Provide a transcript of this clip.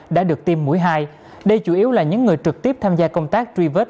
đã được tiêm mũi hai đây chủ yếu là những người trực tiếp tham gia công tác truy vết